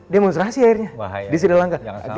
demonstrasi akhirnya di sri lanka